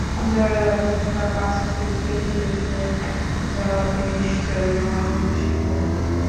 জয়ের অপেক্ষা পাঁচ টেস্টেই শেষ হয়ে যাওয়াতে নিশ্চয়ই দারুণ খুশি কোহলি।